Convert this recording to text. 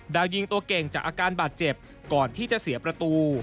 ดาวยิงตัวเก่งจากอาการบาดเจ็บก่อนที่จะเสียประตู